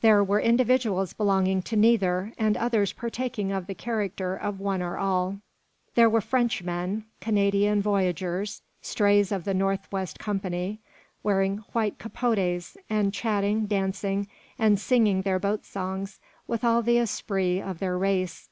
There were individuals belonging to neither, and others partaking of the character of one or all. There were Frenchmen, Canadian voyageurs, strays of the north west company, wearing white capotes, and chatting, dancing, and singing their boat songs with all the esprit of their race.